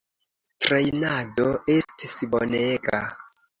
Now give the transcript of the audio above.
Trejnado estis bonega.